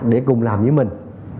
để cùng làm với mình